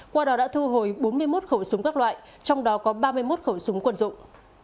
qua đó đã thu hồi bốn mươi một khẩu súng các loại trong đó có ba mươi một khẩu súng quân dụng